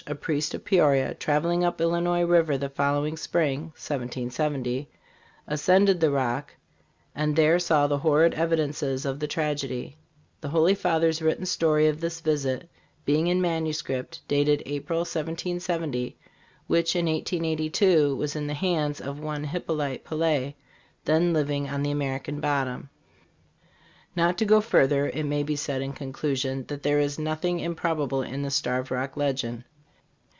a priest of Peoria, traveling up Illinois river the following spring (1770), ascended the Rock and there saw the horrid evidences of the tragedy, the holy Father's written story of this visit being in manuscript (dated April, 1770), which, in 1882, was in the hands of one Hypolite Pilette, then living on the American Bottom. Not to go further, it may be said in conclusion that there is nothing im probable in the Starved Rock legend.